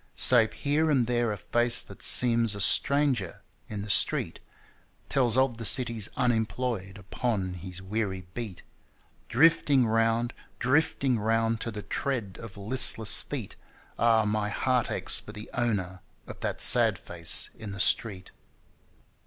Save here and there a face that seems a stranger in the street Tells of the city's unemployed upon his weary beat Drifting round, drifting round, To the tread of listless feet Ah ! my heart aches for the owner of that sad face in the street.